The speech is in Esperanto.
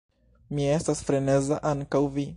Mi estas freneza; ankaŭ vi!